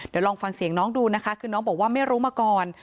เดี๋ยวลองฟังเสียงน้องดูนะคะคือน้องบอกว่าไม่รู้มาก่อน